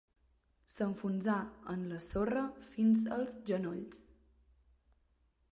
S'enfonsà en la sorra fins als genolls.